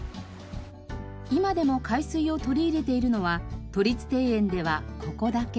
今でも海水を取り入れているのは都立庭園ではここだけ。